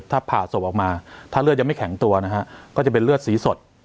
ถ้าผ่าศพออกมาถ้าเลือดยังไม่แข็งตัวนะฮะก็จะเป็นเลือดสีสด